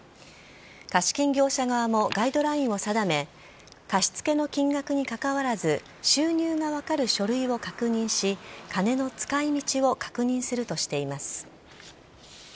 貸金業者側もガイドラインを定め貸し付けの金額にかかわらず収入が分かる書類を確認し金の使い道を確認するとしています。